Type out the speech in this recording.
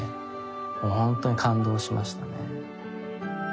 もう本当に感動しましたね。